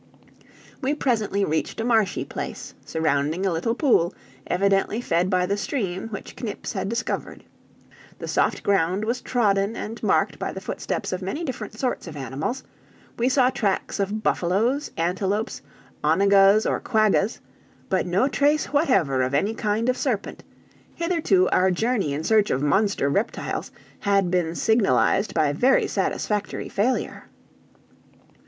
We presently reached a marshy place, surrounding a little pool evidently fed by the stream which Knips had discovered. The soft ground was trodden and marked by the footsteps of many different sorts of animals; we saw tracks of buffaloes, antelopes, onagas or quaggas, but no trace whatever of any kind of serpent; hitherto our journey in search of monster reptiles had been signalized by very satisfactory failure.